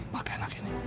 pakai anak ini